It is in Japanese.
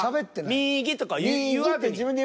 「右」とか言わずに。